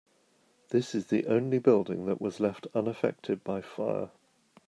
This is the only building that was left unaffected by fire.